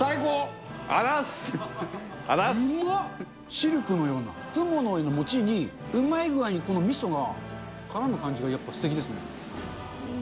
シルクのような、雲のような餅に、うまい具合にこのみそがからむ感じがやっぱり、すてきですね。